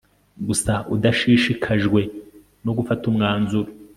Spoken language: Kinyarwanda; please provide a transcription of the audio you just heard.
Gusa udashishikajwe no gufata umwanzuro